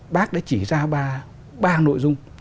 bác đã chỉ ra ba nội dung